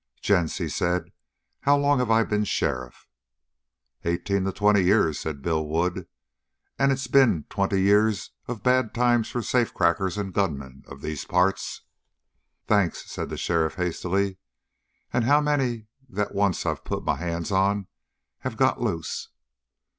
"Gents," he said, "how long have I been a sheriff?" "Eighteen to twenty years," said Bill Wood. "And it's been twenty years of bad times for the safecrackers and gunmen of these parts." "Thanks," said the sheriff hastily. "And how many that I've once put my hands on have got loose?"